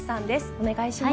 お願いします。